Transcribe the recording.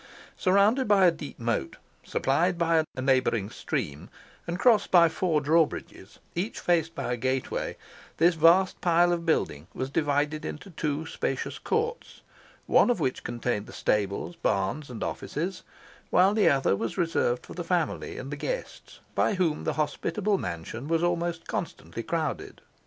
Surrounded by a deep moat, supplied by a neighbouring stream, and crossed by four drawbridges, each faced by a gateway, this vast pile of building was divided into two spacious courts, one of which contained the stables, barns, and offices, while the other was reserved for the family and the guests by whom the hospitable mansion was almost constantly crowded.